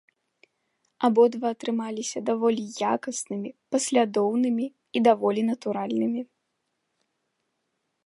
Абодва атрымаліся даволі якаснымі, паслядоўнымі і даволі натуральнымі.